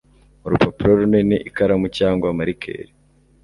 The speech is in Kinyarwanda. urupapuro runini ikaramu cyangwa marikeri